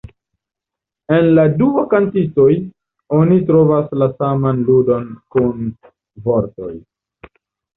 En la dua kantistoj, oni trovas la saman ludon kun vortoj.